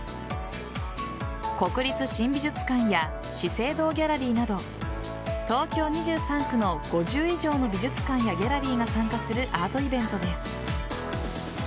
国立新美術館や資生堂ギャラリーなど東京２３区の５０以上の美術館やギャラリーが参加するアートイベントです。